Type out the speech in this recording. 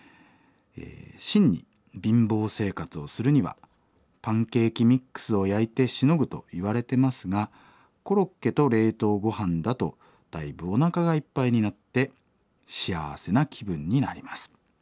真に貧乏生活をするにはパンケーキミックスを焼いてしのぐといわれてますがコロッケと冷凍ごはんだとだいぶおなかがいっぱいになって幸せな気分になります。